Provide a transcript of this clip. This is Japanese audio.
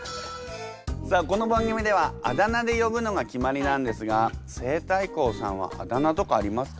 さあこの番組ではあだ名でよぶのが決まりなんですが西太后さんはあだ名とかありますか？